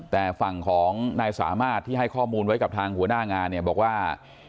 แต่ฝั่งของนายสามารถที่ให้ข้อมูลไว้กับทางหัวหน้างานเนี่ยบอกว่า